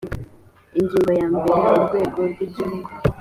ingingo ya mbere urwego rw igihugu